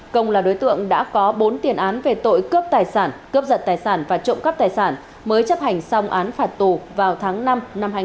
công là đối tượng đã có bốn tiền án về tội cướp giật tài sản và trộm cắp tài sản mới chấp hành xong án phạt tù vào tháng năm năm hai nghìn hai mươi